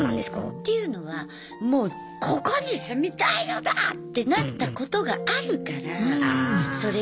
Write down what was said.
っていうのはもうここに住みたいのだ！ってなったことがあるからそれが分かる。